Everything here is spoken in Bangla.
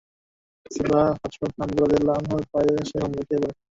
সিবা হযরত হামযা রাযিয়াল্লাহু আনহু-এর পায়ে এসে হুমড়ি খেয়ে পড়ে।